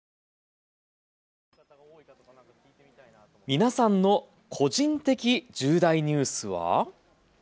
皆さんの個人的重大ニュースは？